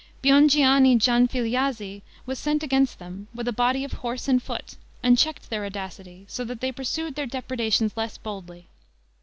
Biongianni Gianfigliazzi was sent against them, with a body of horse and foot, and checked their audacity, so that they pursued their depredations less boldly.